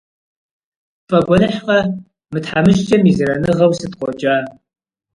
ПфӀэгуэныхькъэ, мы тхьэмыщкӀэм и зэраныгъэу сыт къокӀа?